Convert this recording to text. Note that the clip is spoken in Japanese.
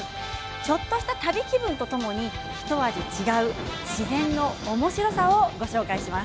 ちょっとした旅気分とともにひと味違う自然のおもしろさをご紹介します。